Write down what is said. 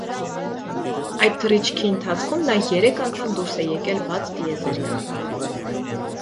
Այդ թռիչքի ընթացքում նա երեք անգամ դուրս է եկել բաց տիեզերք։